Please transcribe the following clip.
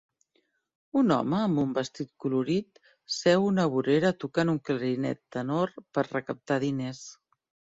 Un home amb un vestit colorit seu a una vorera tocant un clarinet tenor per recaptar diners.